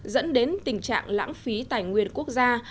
dẫn đến tình trạng lãng phí tài nguyên quốc gia